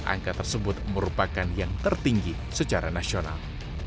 angka tersebut merupakan yang tertinggi secara nasional